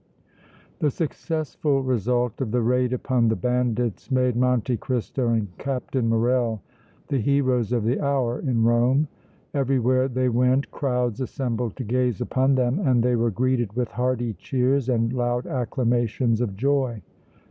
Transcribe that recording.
The successful result of the raid upon the bandits made Monte Cristo and Captain Morrel the heroes of the hour in Rome. Everywhere they went crowds assembled to gaze upon them and they were greeted with hearty cheers and loud acclamations of joy.